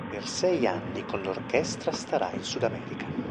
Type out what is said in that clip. Per sei anni con l'orchestra starà in Sud America.